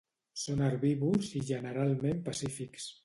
Són herbívors i generalment pacífics.